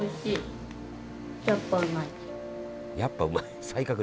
「やっぱうまい」。